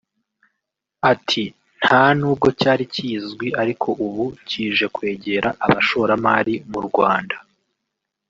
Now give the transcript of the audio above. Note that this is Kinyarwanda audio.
Ati″ Nta nubwo cyari kizwi ariko ubu kije kwegera abashoramari mu Rwanda